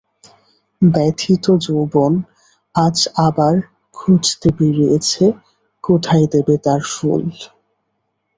ব্যথিত যৌবন আজ আবার খুঁজতে বেরিয়েছে, কোথায় দেবে তার ফুল!